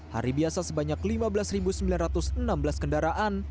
hari biasa sebanyak lima belas sembilan ratus enam belas kendaraan